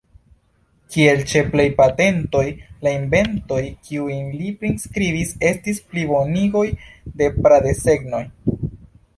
Kiel ĉe plej patentoj, la inventoj kiujn li priskribis estis plibonigoj de pra-desegnoj.